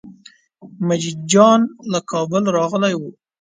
مجید جان له کابله راغلی و.